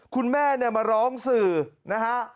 คุณแม่เนี่ยมาร้องสื่อนะฮะ